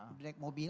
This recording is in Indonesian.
udah naik mobil